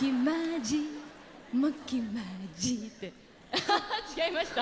アハハハ違いました？